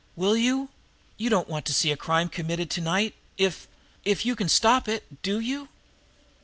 Will you? You don't want to see a crime committed to night if if you can stop it, do you?"